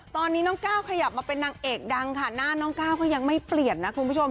ตอนนี้น้องก้าวขยับมาเป็นนางเอกดังค่ะหน้าน้องก้าวก็ยังไม่เปลี่ยนนะคุณผู้ชม